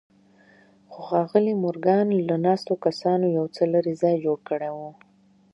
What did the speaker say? خو ښاغلي مورګان له ناستو کسانو يو څه لرې ځای جوړ کړی و.